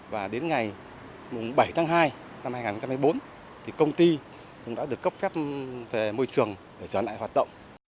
và đến ngày bảy tháng hai năm hai nghìn một mươi bốn thì công ty cũng đã được cấp phép về môi trường để trở lại hoạt động